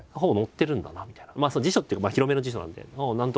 辞書っていうか広めの辞書なんで「ふん」